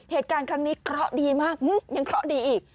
เหตุการณ์ครั้งนี้เขาดีมากยังเขาดีอีก